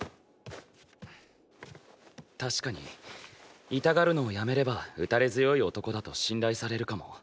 たしかに痛がるのをやめれば打たれ強い男だと信頼されるかも。